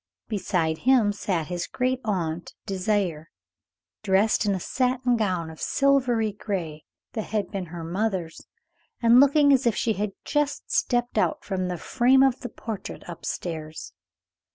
Beside him sat his great aunt, Désiré, dressed in a satin gown of silvery gray that had been her mother's, and looking as if she had just stepped out from the frame of the portrait up stairs.